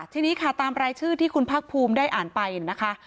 ทีนี้ค่ะตามรายชื่อที่คุณภาคภูมิได้อ่านไปนะคะ